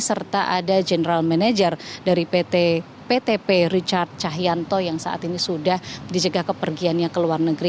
serta ada general manager dari ptp richard cahyanto yang saat ini sudah dijegah kepergiannya ke luar negeri